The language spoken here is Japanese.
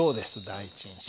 第一印象。